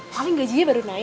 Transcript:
paling gajinya baru naik